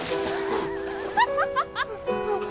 ハハハハ！